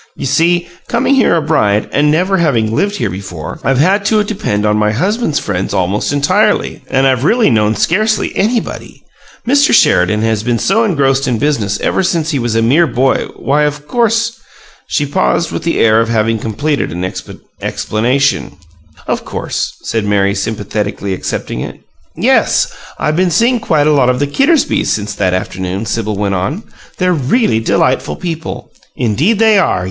You see, coming here a bride and never having lived here before, I've had to depend on my husband's friends almost entirely, and I really've known scarcely anybody. Mr. Sheridan has been so engrossed in business ever since he was a mere boy, why, of course " She paused, with the air of having completed an explanation. "Of course," said Mary, sympathetically accepting it. "Yes. I've been seeing quite a lot of the Kittersbys since that afternoon," Sibyl went on. "They're really delightful people. Indeed they are!